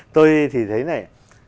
tôi thì thấy này